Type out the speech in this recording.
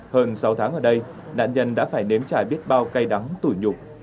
hơn sáu tháng ở đây nạn nhân đã phải nếm trải biết bao cay đắng tủi nhục